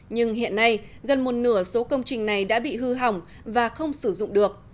nhưng hiện nay gần một nửa số công trình này đã bị hư hỏng và không sử dụng được